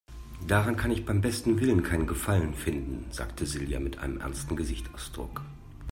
"Daran kann ich beim besten Willen keinen Gefallen finden", sagte Silja mit einem ernsten Gesichtsausdruck.